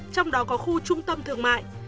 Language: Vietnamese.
trong đó có khu trung tâm thường